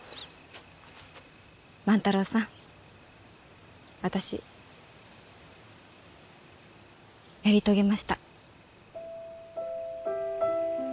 万太郎さん私やり遂げました。